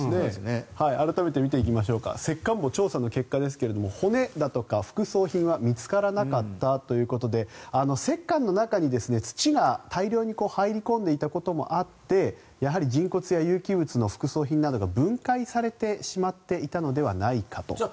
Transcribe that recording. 改めて見てみますが石棺墓の調査結果ですが骨や副葬品は見つからなかったということで石棺の中に土が大量に入り込んでいたこともあってやはり人骨や有機物の副葬品が分解されてしまったのではないかと思われます。